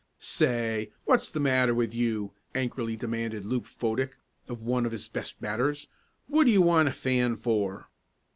"Say, what's the matter with you?" angrily demanded Luke Fodick of one of his best batters. "What do you want to fan for?"